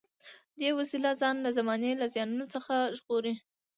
دې وسیله ځان له زمانې له زیانونو څخه ژغوري.